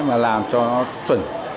mà làm cho nó chuẩn